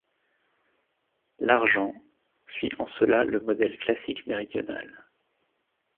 L'Argens suit en cela le modèle classique méridional.